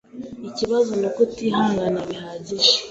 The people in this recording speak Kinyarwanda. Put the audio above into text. Ikibazo nuko utihangana bihagije.